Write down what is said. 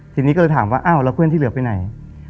ทีนี้ก็เลยถามว่าอ้าวแล้วเพื่อนที่เหลือไปไหน